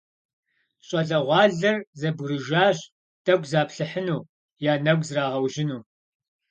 ЩӀалэгъуалэр зэбгрыжащ тӀэкӀу заплъыхьыну, я нэгу зрагъэужьыну.